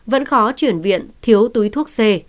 vẫn khó chuyển viện thiếu túi thuốc c